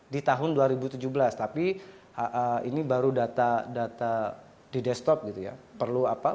di tahun dua ribu tujuh belas tapi ini baru data di desktop gitu ya